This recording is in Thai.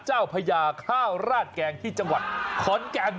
เจ้าพญาข้าวราชแกงที่จังหวัดขอนแกง